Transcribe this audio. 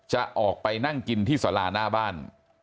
จะออกไปนั่งกินที่สาราหน้าบ้าน